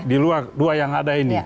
di luar dua yang ada ini